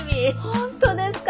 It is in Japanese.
本当ですか？